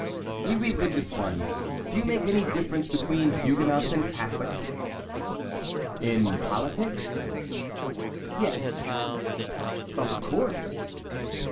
"A religious one. Do you make any difference between Huguenots and Catholics?" "In politics?" "Yes." "Of course."